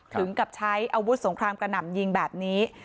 ถึงกับใช้อาวุธสงครามกระหน่ำยิงแบบนี้